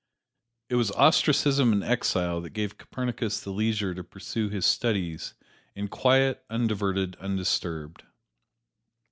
It was ostracism and exile that gave Copernicus the leisure to pursue his studies in quiet, undiverted, undisturbed.